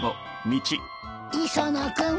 磯野君。